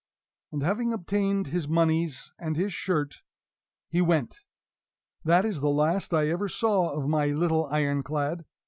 And, having obtained his "moneys" and his shirt, he went. That is the last I ever saw of my little Iron clad.